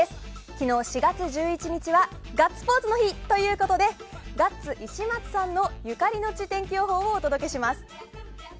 昨日４月１１日はガッツポーズの日ということでガッツ石松さんゆかりの地天気予報をお届けします。